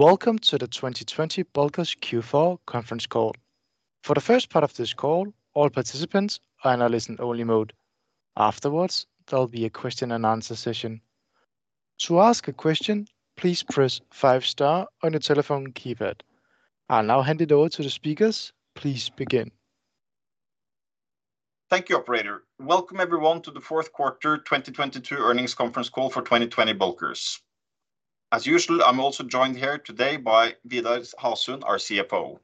Welcome to the 2020 Bulkers Q4 conference call. For the first part of this call, all participants are in a listen-only mode. Afterwards, there'll be a question and answer session. To ask a question, please press five star on your telephone keypad. I'll now hand it over to the speakers. Please begin. Thank you, operator. Welcome everyone to the fourth quarter 2022 earnings conference call for 2020 Bulkers. As usual, I'm also joined here today by Vidar Hasund, our CFO.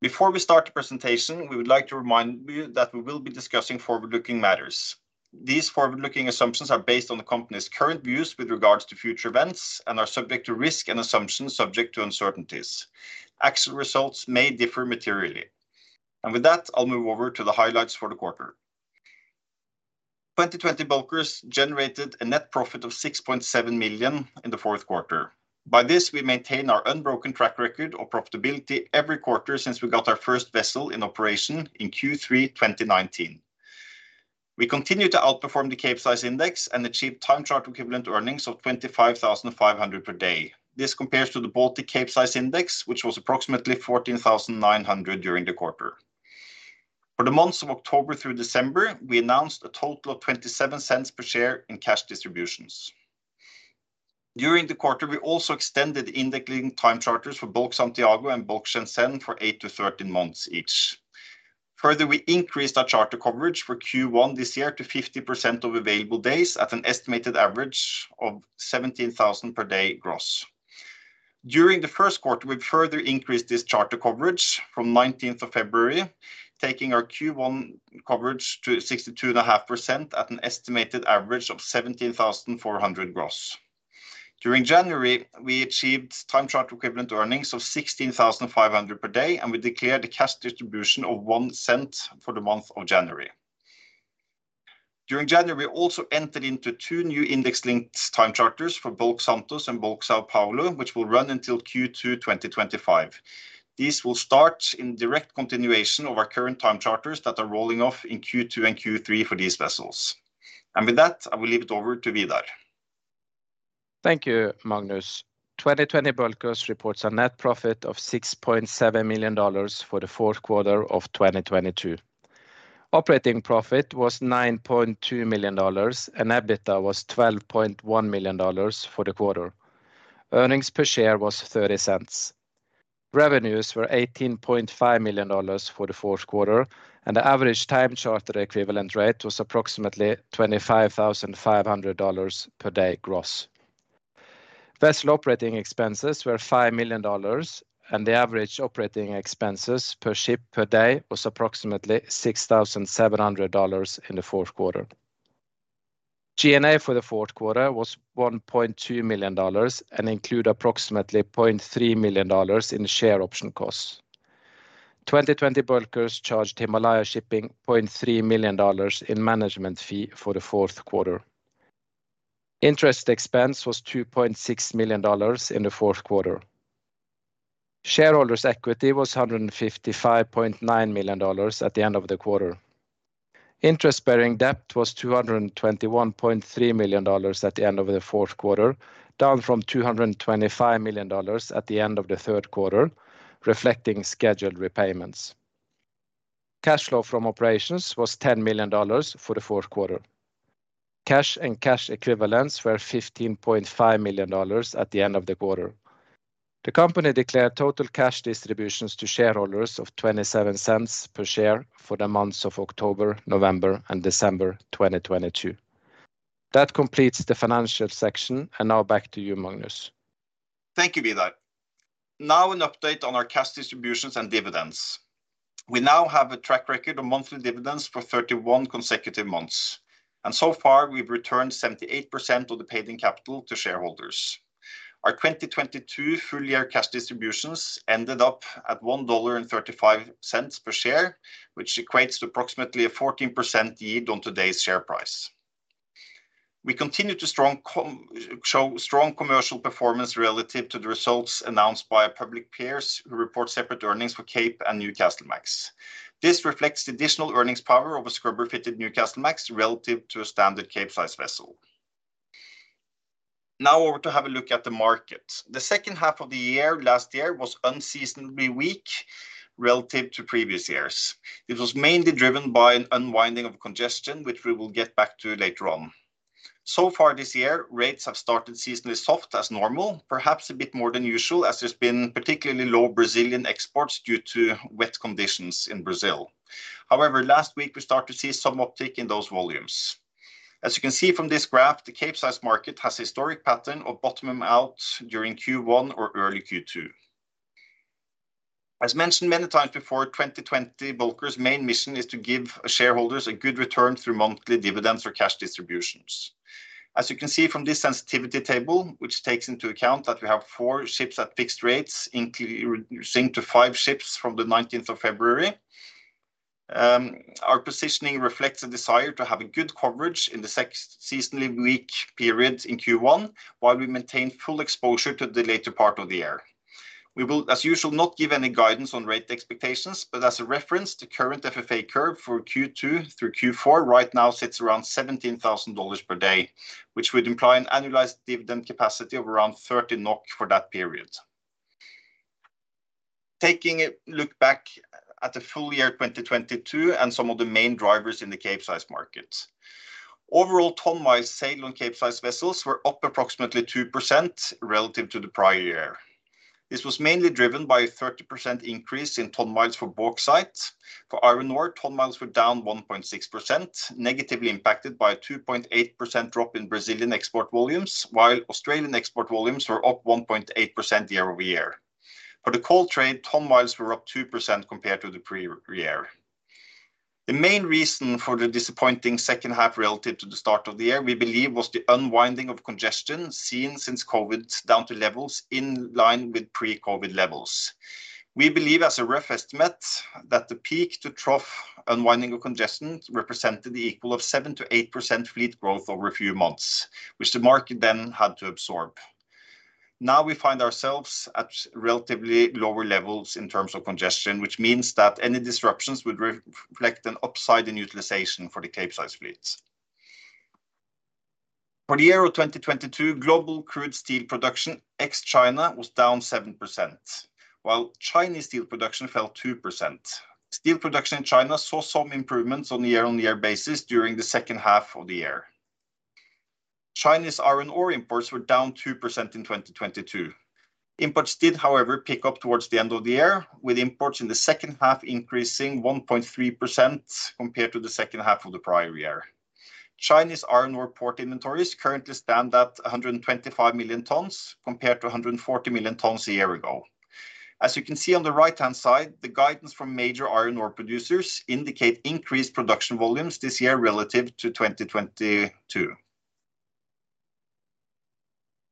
Before we start the presentation, we would like to remind you that we will be discussing forward-looking matters. These forward-looking assumptions are based on the company's current views with regards to future events and are subject to risk and assumptions subject to uncertainties. Actual results may differ materially. With that, I'll move over to the highlights for the quarter. 2020 Bulkers generated a net profit of $6.7 million in the fourth quarter. By this, we maintain our unbroken track record of profitability every quarter since we got our first vessel in operation in Q3 2019. We continue to outperform the Capesize index and achieve time charter equivalent earnings of $25,500 per day. This compares to the Baltic Capesize Index, which was approximately 14,900 during the quarter. For the months of October through December, we announced a total of $0.27 per share in cash distributions. During the quarter, we also extended index-linked time charters for Bulk Santiago and Bulk Shenzhen for eight-13 months each. Further, we increased our charter coverage for Q1 this year to 50% of available days at an estimated average of $17,000 per day gross. During the first quarter, we've further increased this charter coverage from 19th of February, taking our Q1 coverage to 62.5% at an estimated average of $17,400 gross. During January, we achieved time charter equivalent earnings of $16,500 per day, and we declared a cash distribution of $0.01 for the month of January. During January, we also entered into 2 new index-linked time charters for Bulk Santos and Bulk São Paulo, which will run until Q2 2025. These will start in direct continuation of our current time charters that are rolling off in Q2 and Q3 for these vessels. With that, I will leave it over to Vidar. Thank you, Magnus. 2020 Bulkers reports a net profit of $6.7 million for the fourth quarter of 2022. Operating profit was $9.2 million, and EBITDA was $12.1 million for the quarter. Earnings per share was $0.30. Revenues were $18.5 million for the fourth quarter, and the average time charter equivalent rate was approximately $25,500 per day gross. Vessel operating expenses were $5 million, and the average operating expenses per ship per day was approximately $6,700 in the fourth quarter. G&A for the fourth quarter was $1.2 million and include approximately $0.3 million in share option costs. 2020 Bulkers charged Himalaya Shipping $0.3 million in management fee for the fourth quarter. Interest expense was $2.6 million in the fourth quarter. Shareholders' equity was $155.9 million at the end of the quarter. Interest-bearing debt was $221.3 million at the end of the fourth quarter, down from $225 million at the end of the third quarter, reflecting scheduled repayments. Cash flow from operations was $10 million for the fourth quarter. Cash and cash equivalents were $15.5 million at the end of the quarter. The company declared total cash distributions to shareholders of $0.27 per share for the months of October, November and December 2022. That completes the financial section. Now back to you, Magnus. Thank you, Vidar. An update on our cash distributions and dividends. We now have a track record of monthly dividends for 31 consecutive months. So far, we've returned 78% of the paid in capital to shareholders. Our 2022 full year cash distributions ended up at $1.35 per share, which equates to approximately a 14% yield on today's share price. We continue to show strong commercial performance relative to the results announced by our public peers who report separate earnings for Cape and Newcastlemax. This reflects the additional earnings power of a scrubber-fitted Newcastlemax relative to a standard Capesize vessel. Over to have a look at the market. The second half of the year, last year, was unseasonably weak relative to previous years. It was mainly driven by an unwinding of congestion, which we will get back to later on. So far this year, rates have started seasonally soft as normal, perhaps a bit more than usual, as there's been particularly low Brazilian exports due to wet conditions in Brazil. However, last week, we start to see some uptick in those volumes. As you can see from this graph, the Capesize market has a historic pattern of bottoming out during Q1 or early Q2. As mentioned many times before, 2020 Bulkers main mission is to give shareholders a good return through monthly dividends or cash distributions. As you can see from this sensitivity table, which takes into account that we have four ships at fixed rates, reducing to five ships from the 19th of February. Our positioning reflects a desire to have a good coverage in seasonally weak periods in Q1 while we maintain full exposure to the later part of the year. We will, as usual, not give any guidance on rate expectations, but as a reference to current FFA curve for Q2 through Q4 right now sits around $17,000 per day, which would imply an annualized dividend capacity of around 30 NOK for that period. Taking a look back at the full year 2022 and some of the main drivers in the Capesize markets. Overall ton miles sailed on Capesize vessels were up approximately 2% relative to the prior year. This was mainly driven by a 30% increase in ton miles for bauxite. For iron ore, ton miles were down 1.6%, negatively impacted by a 2.8% drop in Brazilian export volumes, while Australian export volumes were up 1.8% year-over-year. For the coal trade, ton miles were up 2% compared to the prior-year. The main reason for the disappointing second half relative to the start of the year, we believe was the unwinding of congestion seen since COVID down to levels in line with pre-COVID levels. We believe as a rough estimate that the peak to trough unwinding of congestion represented the equal of 7%-8% fleet growth over a few months, which the market then had to absorb. We find ourselves at relatively lower levels in terms of congestion, which means that any disruptions would reflect an upside in utilization for the Capesize fleets. For the year of 2022, global crude steel production, ex-China, was down 7%, while Chinese steel production fell 2%. Steel production in China saw some improvements on the year-over-year basis during the second half of the year. Chinese iron ore imports were down 2% in 2022. Imports did, however, pick up towards the end of the year, with imports in the second half increasing 1.3% compared to the second half of the prior year. Chinese iron ore port inventories currently stand at 125 million tons, compared to 140 million tons a year ago. As you can see on the right-hand side, the guidance from major iron ore producers indicate increased production volumes this year relative to 2022.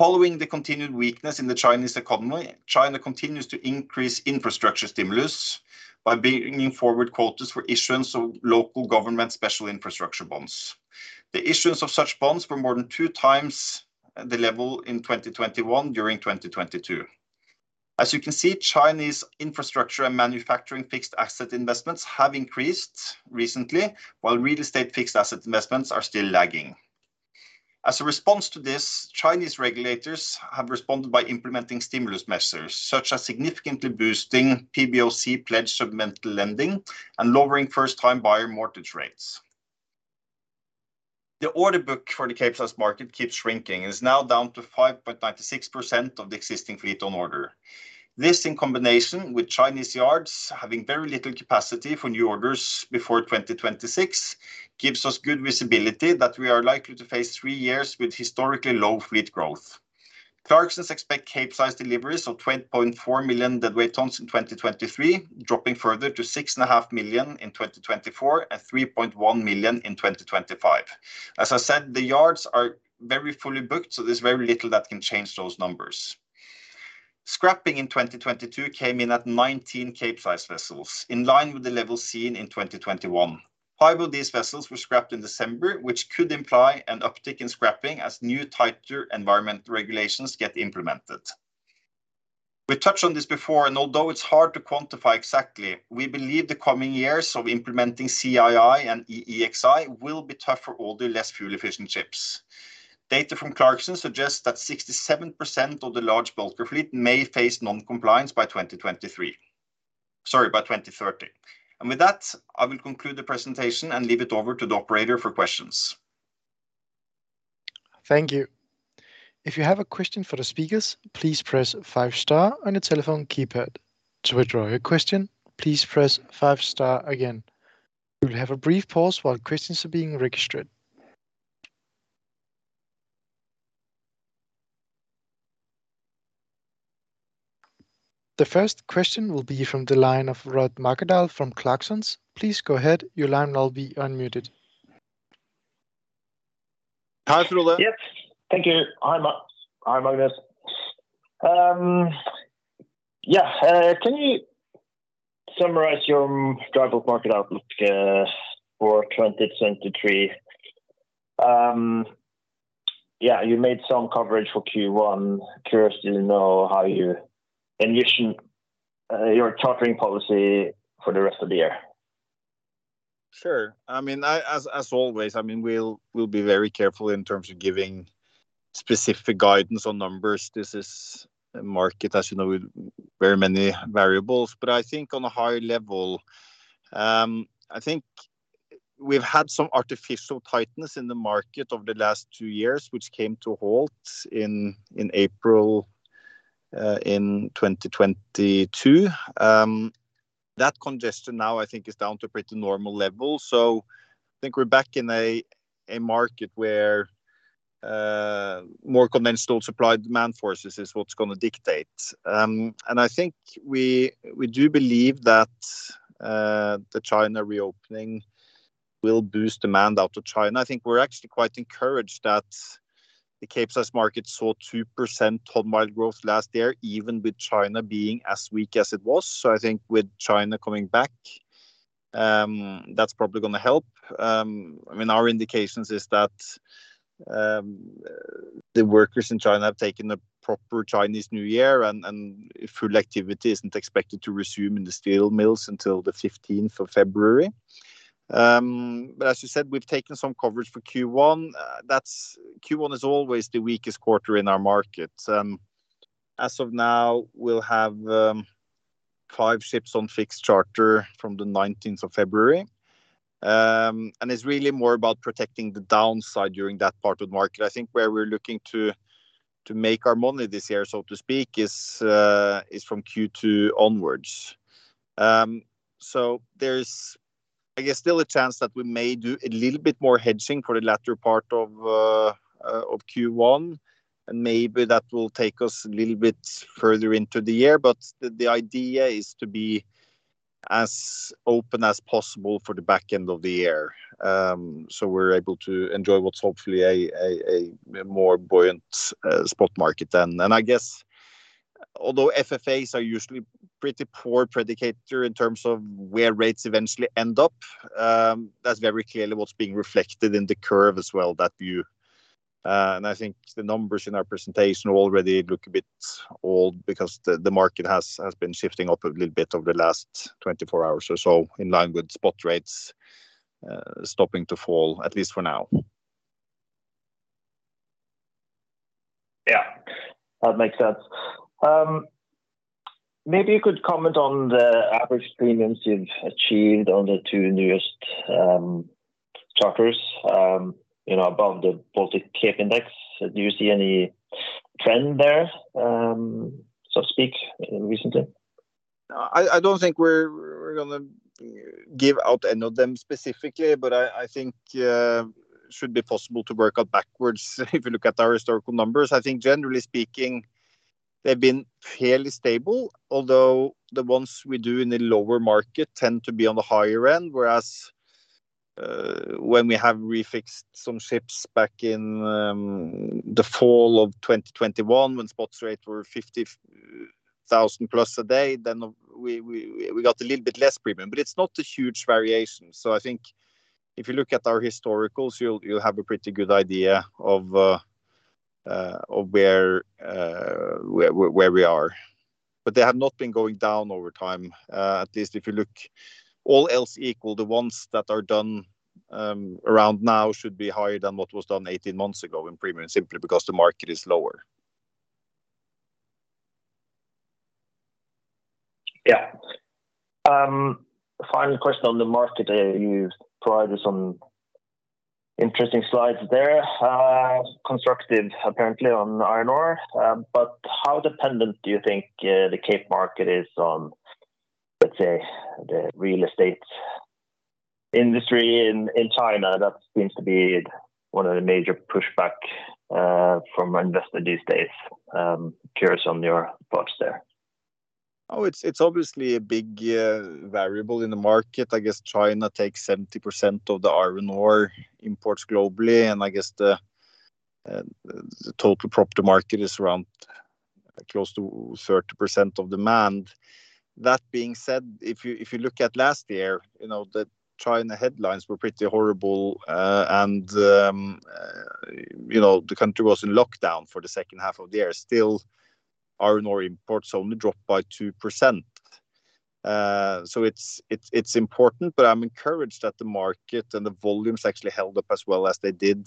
Following the continued weakness in the Chinese economy, China continues to increase infrastructure stimulus by bringing forward quotas for issuance of local government special infrastructure bonds. The issuance of such bonds were more than two times the level in 2021 during 2022. As you can see, Chinese infrastructure and manufacturing fixed asset investments have increased recently, while real estate fixed asset investments are still lagging. As a response to this, Chinese regulators have responded by implementing stimulus measures, such as significantly boosting PBOC Pledged Supplementary Lending and lowering first time buyer mortgage rates. The order book for the Capesize market keeps shrinking and is now down to 5.96% of the existing fleet on order. This, in combination with Chinese yards having very little capacity for new orders before 2026, gives us good visibility that we are likely to face three years with historically low fleet growth. Clarksons expect Capesize deliveries of 20.4 million deadweight tons in 2023, dropping further to 6.5 million in 2024 and 3.1 million in 2025. As I said, the yards are very fully booked, so there's very little that can change those numbers. Scrapping in 2022 came in at 19 Capesize vessels, in line with the level seen in 2021. Five of these vessels were scrapped in December, which could imply an uptick in scrapping as new tighter environmental regulations get implemented. We touched on this before. Although it's hard to quantify exactly, we believe the coming years of implementing CII and EEXI will be tough for all the less fuel efficient ships. Data from Clarksons suggests that 67% of the large bulker fleet may face non-compliance by 2023. Sorry, by 2030. With that, I will conclude the presentation and leave it over to the operator for questions. Thank you. If you have a question for the speakers, please press five star on your telephone keypad. To withdraw your question, please press five star again. We will have a brief pause while questions are being registered. The first question will be from the line of Frode Mørkedal from Clarksons. Please go ahead. Your line will now be unmuted. Hi, Rod. Yep. Thank you. Hi, Magnus. Yeah, can you summarize your dry bulk market outlook for 2023? Yeah, you made some coverage for Q1. Curious to know how you envision your chartering policy for the rest of the year. Sure. I mean, as always, I mean, we'll be very careful in terms of giving specific guidance on numbers. This is a market, as you know, with very many variables. I think on a high level, I think we've had some artificial tightness in the market over the last two years, which came to a halt in April in 2022. That congestion now I think is down to pretty normal levels. I think we're back in a market where more conventional supply and demand forces is what's gonna dictate. I think we do believe that the China reopening will boost demand out to China. I think we're actually quite encouraged that the Capesize market saw 2% ton mile growth last year, even with China being as weak as it was. I think with China coming back, that's probably gonna help. I mean, our indications is that the workers in China have taken a proper Chinese New Year and full activity isn't expected to resume in the steel mills until the 15th of February. As you said, we've taken some coverage for Q1. Q1 is always the weakest quarter in our market. As of now, we'll have five ships on fixed charter from the 19th of February. It's really more about protecting the downside during that part of the market. I think where we're looking to make our money this year, so to speak, is from Q2 onwards. There's, I guess, still a chance that we may do a little bit more hedging for the latter part of Q1, and maybe that will take us a little bit further into the year. The idea is to be as open as possible for the back end of the year. We're able to enjoy what's hopefully a more buoyant spot market then. I guess although FFAs are usually pretty poor predictor in terms of where rates eventually end up, that's very clearly what's being reflected in the curve as well, that view. I think the numbers in our presentation already look a bit old because the market has been shifting up a little bit over the last 24 hours or so, in line with spot rates, stopping to fall, at least for now. Yeah. That makes sense. Maybe you could comment on the average premiums you've achieved on the two newest charters, you know, above the Baltic Capesize Index. Do you see any trend there, so to speak, recently? I don't think we're gonna give out any of them specifically, but I think should be possible to work out backwards if you look at our historical numbers. I think generally speaking, they've been fairly stable, although the ones we do in the lower market tend to be on the higher end, whereas when we have refixed some ships back in the fall of 2021, when spot rates were $50,000 plus a day, then we got a little bit less premium. It's not a huge variation. I think if you look at our historicals, you'll have a pretty good idea of where we are. They have not been going down over time. At least if you look all else equal, the ones that are done around now should be higher than what was done 18 months ago in premium, simply because the market is lower. Yeah. Final question on the market. You provided some interesting slides there, constructive apparently on iron ore. How dependent do you think the Cape market is on, let's say, the real estate industry in China? That seems to be one of the major pushback from investors these days. Curious on your thoughts there. Oh, it's obviously a big variable in the market. I guess China takes 70% of the iron ore imports globally, and I guess the total property market is around close to 30% of demand. That being said, if you look at last year, you know, the China headlines were pretty horrible. The country was in lockdown for the second half of the year. Still, iron ore imports only dropped by 2%. It's important, but I'm encouraged that the market and the volumes actually held up as well as they did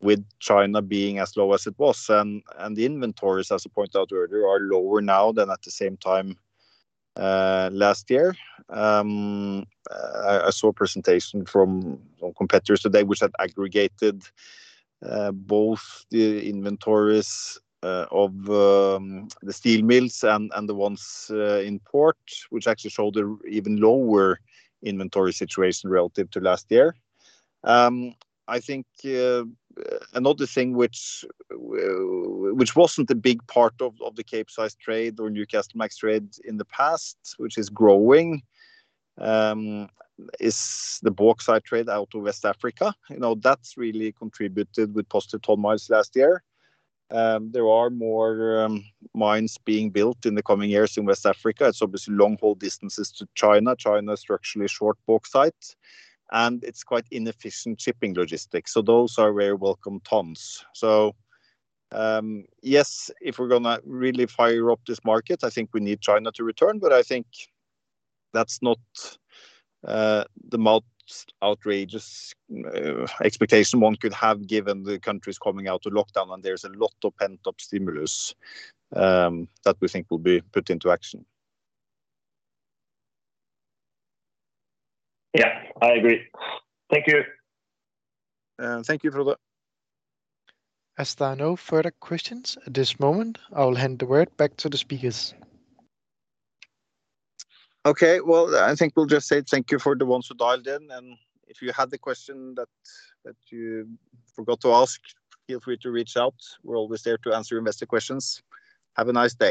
with China being as low as it was. The inventories, as I pointed out earlier, are lower now than at the same time last year. I saw a presentation from some competitors today which had aggregated, both the inventories of the steel mills and the ones in port, which actually showed an even lower inventory situation relative to last year. I think another thing which wasn't a big part of the Capesize trade or Newcastlemax trade in the past, which is growing, is the bauxite trade out of West Africa. You know, that's really contributed with posted ton miles last year. There are more mines being built in the coming years in West Africa. It's obviously long-haul distances to China. China is structurally short bauxite, and it's quite inefficient shipping logistics. Those are very welcome tons. Yes, if we're gonna really fire up this market, I think we need China to return, I think that's not the most outrageous expectation one could have, given the countries coming out of lockdown and there's a lot of pent-up stimulus that we think will be put into action. Yeah. I agree. Thank you. Thank you for that. There are no further questions at this moment, I will hand the word back to the speakers. Okay. Well, I think we'll just say thank you for the ones who dialed in, and if you had a question that you forgot to ask, feel free to reach out. We're always there to answer investor questions. Have a nice day.